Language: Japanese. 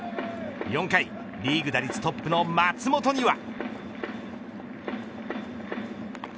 ４回リーグ打率トップの松本には。